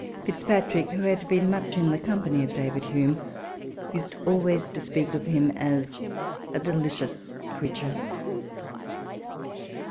Fitzpatrick, who had been much in the company of David Hume, used always to speak of him as " a delicious creature."